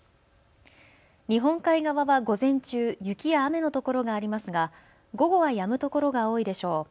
日本海側は午前中、雪や雨のところがありますが午後はやむところが多いでしょう。